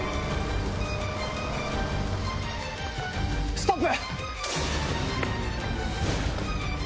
ストップ！